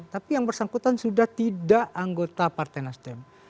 tapi yang bersangkutan sudah tidak anggota partai nasdem